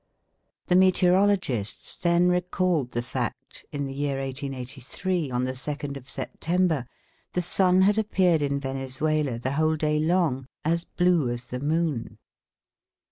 The meteorologists then recalled the fact, in the year 1883, on the second of September, the sun had appeared in Venezuela the whole day long as blue as the moon.